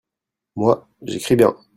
moi, j'écris bien.